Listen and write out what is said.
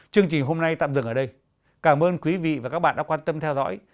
chương trình hôm nay tạm dừng ở đây cảm ơn quý vị và các bạn đã quan tâm theo dõi